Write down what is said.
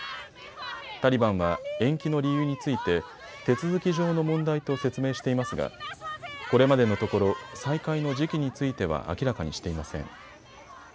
タリバンは延期の理由について手続き上の問題と説明していますがこれまでのところ再開の時期については明らかにしていません。